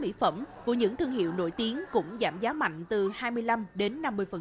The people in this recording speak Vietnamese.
mỹ phẩm của những thương hiệu nổi tiếng cũng giảm giá mạnh từ hai mươi năm đến năm mươi